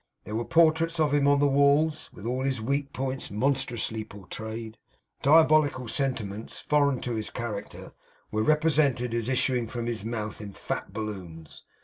There were portraits of him on the walls, with all his weak points monstrously portrayed. Diabolical sentiments, foreign to his character, were represented as issuing from his mouth in fat balloons.